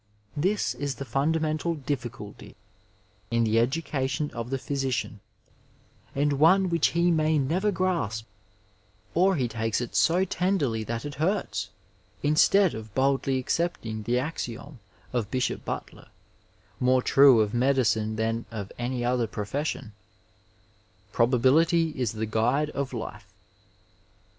This is the fondamental difficulty in the edacation of the phjrsician, and one which he may never grasp, or he takes it so tenderly that it hurts instead of boldly accepting the axiom of Bishop Batler, more true of medicine than of any other profession: " Probability is the guide of life."